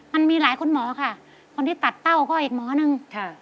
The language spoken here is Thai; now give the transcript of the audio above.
มันมีหลายคนหมอค่ะคนที่ตัดเต้าก็อีกหมอนึงค่ะ